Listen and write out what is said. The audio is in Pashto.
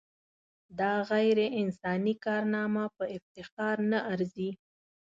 دا غیر انساني کارنامه په افتخار نه ارزي.